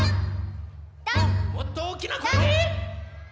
もっとおおきなこえで！